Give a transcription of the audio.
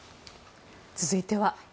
続いては。